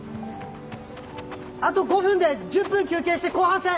あと５分で１０分休憩して後半戦！